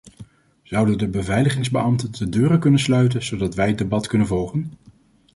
Zouden de beveiligingsbeambten de deuren kunnen sluiten zodat wij het debat kunnen volgen?